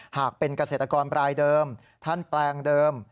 หากเป็นเกษตรกรรายเดิมท่านแปลงเดิม